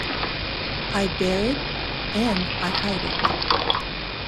I bear it, and I hide it.